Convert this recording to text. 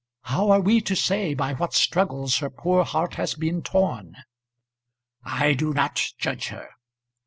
How are we to say by what struggles her poor heart has been torn?" "I do not judge her."